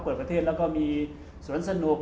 เปิดประเทศแล้วก็มีสวนสนุก